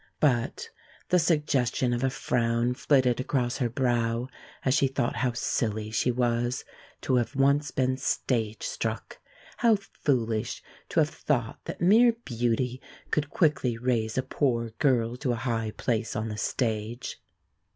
But the suggestion of a frown flitted across her brow as she thought how silly she was to have once been "stage struck" how foolish to have thought that mere beauty could quickly raise a poor girl to a high place on the stage.